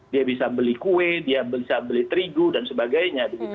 dia bisa beli kue dia bisa beli terigu dan sebagainya